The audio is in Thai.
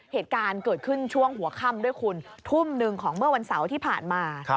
เหตุการณ์เกิดขึ้นช่วงหัวค่ำด้วยคุณทุ่มหนึ่งของเมื่อวันเสาร์ที่ผ่านมา